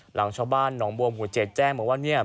หลังช้าบ้านหนองบวงห่วงหัวเจดแจ้งว่า